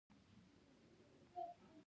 ښکلا ښایسته ده.